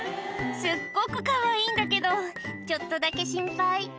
すっごくかわいいんだけど、ちょっとだけ心配。